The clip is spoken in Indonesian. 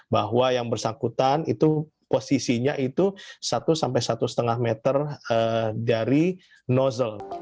bahwa yang bersangkutan itu posisinya itu satu sampai satu lima meter dari nozzle